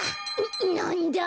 なんだ？